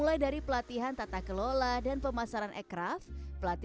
latihan tata kelola dan pemasaran ekraf pelatihan